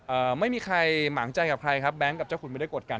เอ่อไม่มีใครหมางใจกับใครครับแก๊งกับเจ้าคุณไม่ได้กดกัน